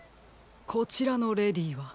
こちらのレディーは？